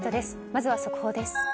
まずは速報です。